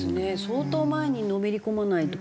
相当前にのめり込まないと。